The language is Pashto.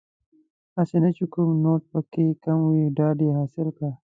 هسې نه چې کوم نوټ پکې کم وي ډاډ یې حاصل کړ.